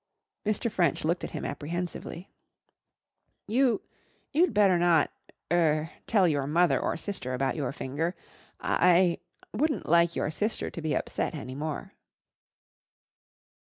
Mr. French looked at him apprehensively. "You you'd better not er tell your mother or sister about your finger. I I wouldn't like your sister to be upset any more."